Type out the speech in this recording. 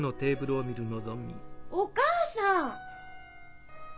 お母さん！